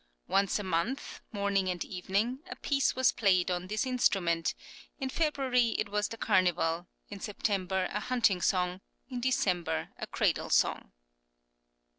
Once a month, morning and evening, a piece was played on this instrument; in February it was the Carnival, in September a hunting song, in December a cradle song.